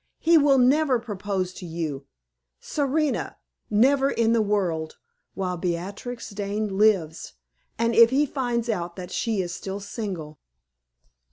He will never propose to you, Serena never in the world while Beatrix Dane lives, and if he finds out that she is still single."